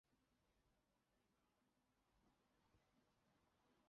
这两个级数的敛散性是一样的。